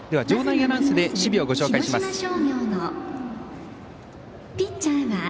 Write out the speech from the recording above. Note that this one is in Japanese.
場内アナウンスで守備を紹介します。